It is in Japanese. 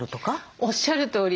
おっしゃるとおり。